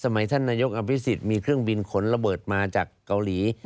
มีเครื่องบินขนระเบิดมาจากเกาหลี